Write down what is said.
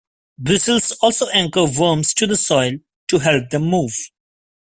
Bristles also anchor worms to the soil to help them move.